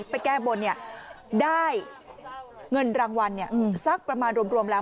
ไปแก้บนเนี่ยได้เงินรางวัลเนี่ยอืมสักประมาณรวมรวมแล้ว